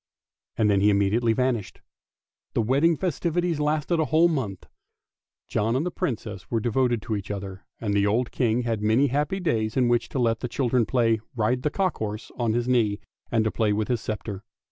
" And then he immediately vanished. The wedding festivities lasted a whole month. John and the Princess were devoted to each other, and the old King had many happy days in which to let their little children play " ride a cock horse " on his knee and to play with his sceptre.